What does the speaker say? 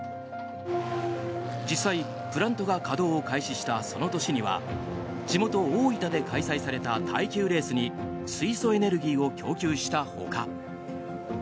実際、プラントが稼働を開始したその年には地元・大分で開催された耐久レースに水素エネルギーを供給したほか。